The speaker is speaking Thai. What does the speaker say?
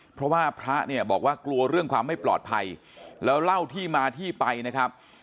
เพราะว่าพระเนี่ยบอกว่ากลัวเรื่องความไม่ปลอดภัยแล้วเล่าที่มาที่ไปนะครับ